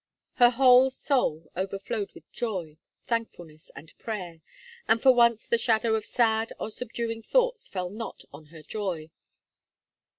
Her whole soul overflowed with joy, thankfulness, and prayer, and for once the shadow of sad or subduing thoughts fell not on her joy.